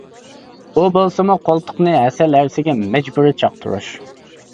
ئۇ بولسىمۇ قولتۇقنى ھەسەل ھەرىسىگە مەجبۇرىي چاقتۇرۇش.